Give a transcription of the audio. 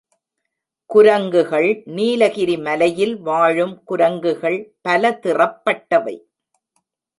குரங்குகள் நீலகிரி மலையில் வாழும் குரங்குகள் பலதிறப்பட்டவை.